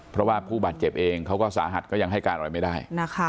เพราะว่าผู้บาดเจ็บเองเขาก็สาหัสก็ยังให้การอะไรไม่ได้